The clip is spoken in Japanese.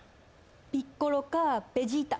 ピッコロかベジータ。